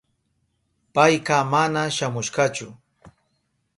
Payka mana shamushkachu.